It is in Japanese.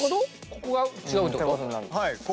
ここが違うってこと？